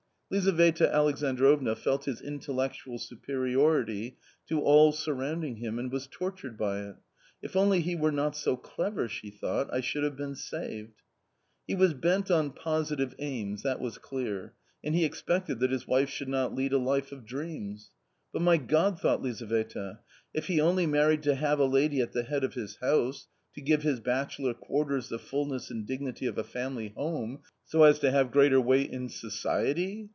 Lizaveta Alexandrovna felt his intellectual superiority to all surrounding him and was tortured by it. " If only he were not so clever," she thought, "I should have been saved." [e was bent on positive aims, that was clear, and he expected that his wife should not lead a life of dreams. " But, my God !" thought Lizaveta, " if he only married to have a lady at the head of his 4iouse, to give his bachelor [uarters the fulness and dignity of a family home, so as to f have greater weight in society